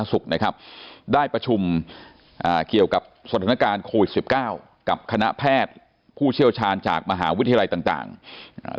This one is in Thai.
ส่วนในประเทศเราเองก็อย่างที่เราไล่มาสักครู่เนี่ยกรุงเทพมหานครปริมนธนมีมาตรการออกมาแล้ว